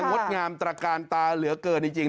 งดงามตระกาลตาเหลือเกินจริง